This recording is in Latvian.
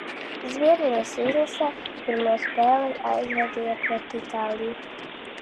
Zviedrijas izlasē pirmo spēli aizvadīja pret Itāliju.